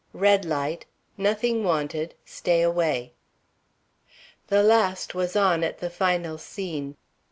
Red light Nothing wanted; stay away. The last was on at the final scene.